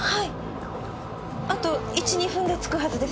あと１２分で着くはずです。